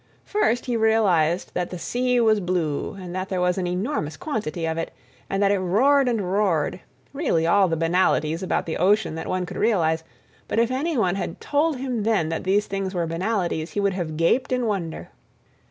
First, he realized that the sea was blue and that there was an enormous quantity of it, and that it roared and roared—really all the banalities about the ocean that one could realize, but if any one had told him then that these things were banalities, he would have gaped in wonder.